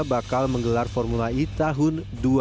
bakal menggelar formula e tahun dua ribu dua puluh